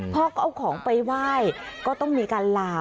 พ่อก็เอาของไปไหว้ก็ต้องมีการลา